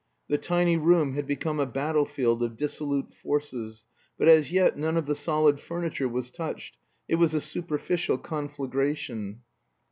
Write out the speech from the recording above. The tiny room had become a battlefield of dissolute forces. But as yet none of the solid furniture was touched; it was a superficial conflagration.